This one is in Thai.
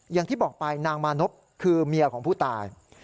อย่างที่บอกไปนางมานพคือเมียของผู้ตาย